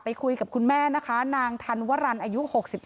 คุยกับคุณแม่นะคะนางธันวรรณอายุ๖๒